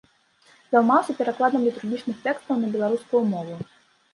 Займаўся перакладам літургічных тэкстаў на беларускую мову.